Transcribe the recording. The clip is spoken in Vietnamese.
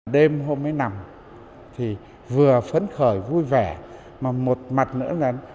đêm hôm mới nằm thì vừa phấn khởi vui vẻ mà một mặt nữa là